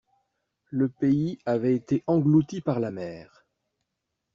Le pays avait été englouti par la mer.